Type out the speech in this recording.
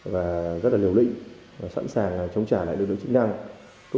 và rất là liều lịnh sẵn sàng chống trả lại đối đối chức năng